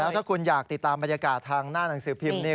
ถ้าคุณอยากติดตามบรรยากาศทางหน้าหนังสือพิมพ์นี่